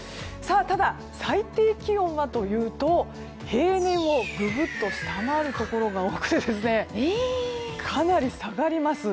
ただ最低気温はというと平年をググっと下回るところが多くて、かなり下がります。